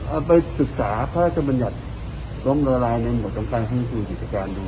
ก็เอาไปศึกษาเพราะว่าจะมันอยากล้มละลายในหมวดจำการพื้นภูมิวิทยาการดู